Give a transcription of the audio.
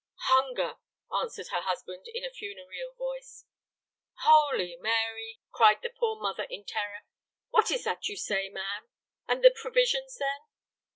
"Hunger!" answered her husband in a funereal voice. "Holy Mary!" cried the poor mother in terror. "What is that you say, man? And the provisions, then?"